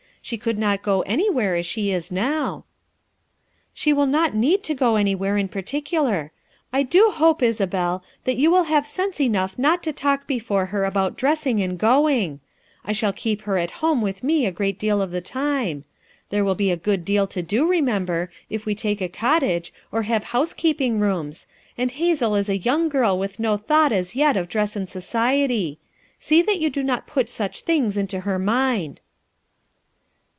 She could not go anywhere as she is now." "She will not need to go anywhere in par ticular. I do hope, Isabel, that you will have sense enough not to talk before her about dress 50 FOUB MOTHERS AT CHAUTAUQUA ing and going. I shall keep her at home with me a great deal of the time. There will be a good deal to do, remember, if we take a cottage, or have housekeeping rooms, and Hazel is a youmr girl with no thought as yet of dress and society; see that you do not put such things in to her mind."